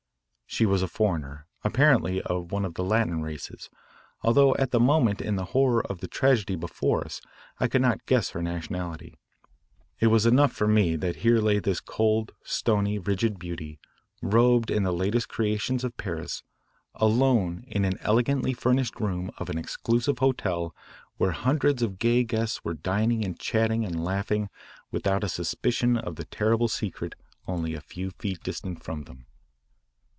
She was a foreigner, apparently of one of the Latin races, although at the moment in the horror of the tragedy before us I could not guess her nationality. It was enough for me that here lay this cold, stony, rigid beauty, robed in the latest creations of Paris, alone in an elegantly furnished room of an exclusive hotel where hundreds of gay guests were dining and chatting and laughing without a suspicion of the terrible secret only a few feet distant from them.